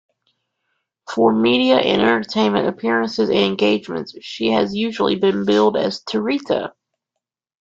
For media and entertainment appearances and engagements she has usually been billed as Tarita.